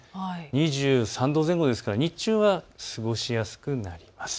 ２３度前後ですから日中は過ごしやすくなります。